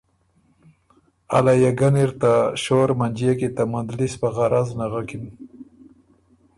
ا لیه ګني ر ته شور منجيې کی ته مندلِس په غرض نغکِن۔